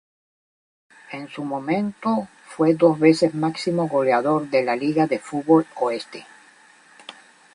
En su momento fue dos veces máximo goleador de la liga de fútbol oeste.